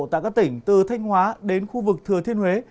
tại các tỉnh từ thanh hóa đến khu vực thừa thiên huế